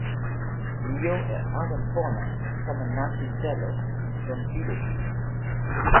mi jo e awen pona sama nasin telo lon pilin mi.